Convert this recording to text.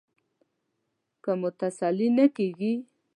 که مو تسلي نه کېږي.